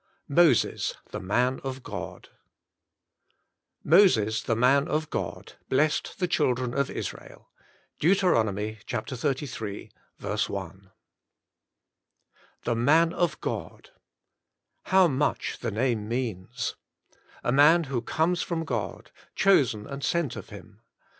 VI MOSES, THE MAN OF GOD "Moses, the man of God, blessed the children of Israel." — D"eut. xxxiii. 1 The man of God! How much the name means! A man who comes from God, chosen and sent of Him.